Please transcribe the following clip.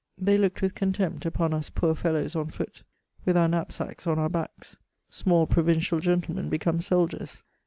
They looked with contempt upon us poor fellows on foot, with our knapsacks on our backs— small provindal gentlemen become soldiers.